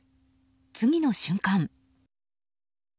次の瞬間。